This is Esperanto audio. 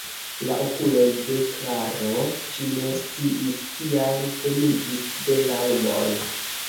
La okuloj de Klaro, ŝi ne sciis kial, pleniĝis de larmoj.